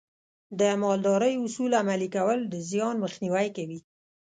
د مالدارۍ اصول عملي کول د زیان مخنیوی کوي.